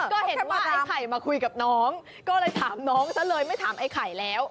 ก็เห็นว่าไอ้ไข่มาคุยกับน้องก็เลยถามน้องซะเลยไม่ถามไอ้ไข่แล้ว